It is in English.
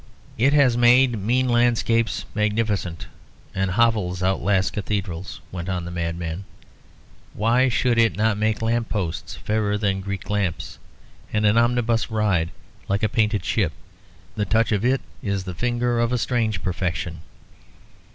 "It has made mean landscapes magnificent, and hovels outlast cathedrals," went on the madman. "Why should it not make lamp posts fairer than Greek lamps; and an omnibus ride like a painted ship? The touch of it is the finger of a strange perfection."